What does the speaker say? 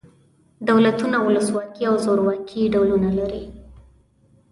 دولتونه ولس واکي او زورواکي ډولونه لري.